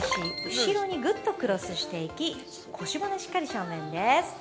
後ろに、ぐっとクロスしていき、腰骨はしっかり正面です。